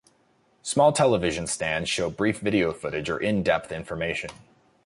Small television stands show brief video footage or in-depth information.